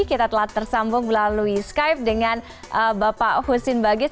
kita telah tersambung melalui skype dengan bapak husin bagis